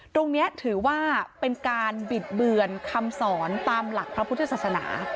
ตรงนี้ถือว่าเป็นการบิดเบือนคำสอนตามหลักพระพุทธศาสนา